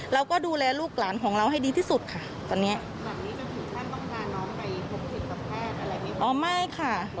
เราก็ดูแลลูกหลานของเราให้ดีที่สุดค่ะตอนเนี้ยแบบนี้จะถือช่างต้องการน้องไปพบผิดกับแพทย์อะไรนี้